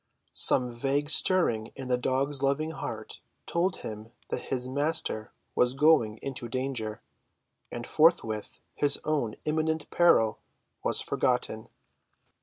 Some vague stirring in the dog's loving heart told him that his master was going into danger, and forthwith his own imminent peril was forgotten.